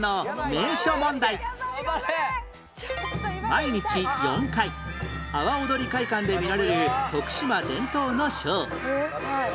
毎日４回阿波おどり会館で見られる徳島伝統のショー